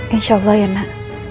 insya allah ya nak